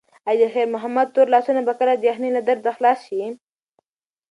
ایا د خیر محمد تور لاسونه به کله د یخنۍ له درده خلاص شي؟